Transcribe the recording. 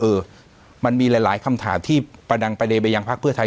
เออมันมีหลายคำถามที่ประดังไปเลยไปยังพักเพื่อไทย